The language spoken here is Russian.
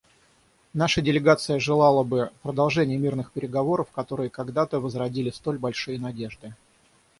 Наша делегация желала бы продолжения мирных переговоров, которые когдато возродили столь большие надежды.